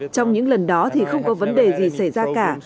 trong những lần đó thì không có vấn đề gì xảy ra cả